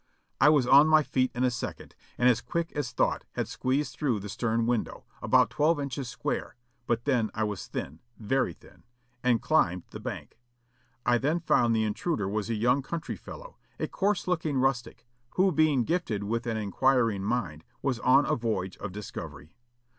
I was on my feet in a second and as quick as thought had squeezed through the stern window^ about twelve inches square (but then I was thin, very thin), and climbed the bank. I then found the intruder was a young coun try fellow, a coarse looking rustic, who being gifted with an in quiring mind was on a voyage of discovery.